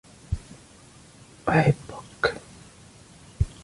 احبك.